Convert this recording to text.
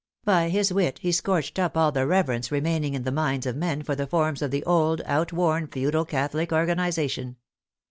By his wit he scorched up all the reverence remaining in the minds of men for the forms of the old, outworn Feudal Catholic organization.